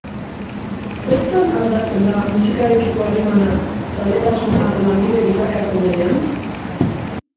Zertan aldatzen da musikarekiko harremana zaletasuna lanbide bilakatzen denean?